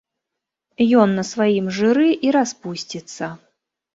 Ён на сваім жыры і распусціцца.